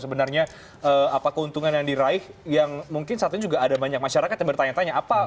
sebenarnya apa keuntungan yang diraih yang mungkin saat ini juga ada banyak masyarakat yang bertanya tanya apa